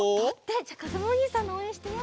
じゃあかずむおにいさんのおうえんしてよ